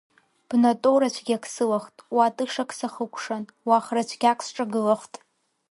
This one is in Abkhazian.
Бна тоурацәгьак сылахт, уа тышак сахыкәшан, уа хра цәгьак сҿагылахт.